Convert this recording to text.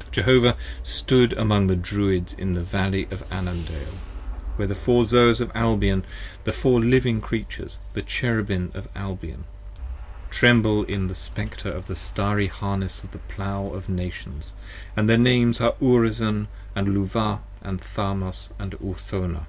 p. 63 JEHOVAH stood among the Druids in the Valley of Annandale, When the Four Zoas of Albion, the Four Living Creatures, the Cherubim Of Albion, tremble before the Spectre in the starry Harness of the Plow Of Nations. And their Names are Urizen & Luvah & Tharmas & Urthona.